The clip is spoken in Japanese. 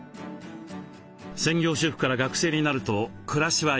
専業主婦から学生になると暮らしは一変。